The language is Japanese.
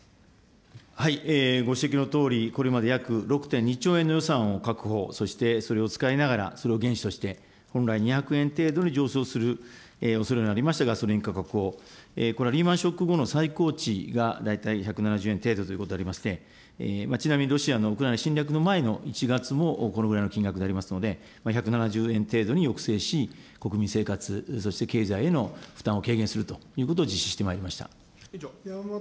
ご指摘のとおり、これまで約６．２兆円の予算を確保、そしてそれを使いながら、それを原資として、本来２００円程度に上昇するおそれがありましたが、ガソリン価格を、これはリーマンショック後の最高値が大体１７０円程度ということでありまして、ちなみに、ロシアのウクライナ侵略前の１月もこのぐらいの金額でありますので、１７０円程度に抑制し、国民生活、そして経済への負担を軽減するということを実施してまいりました。